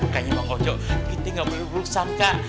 kayaknya pak ojo kita gak boleh bulusan kak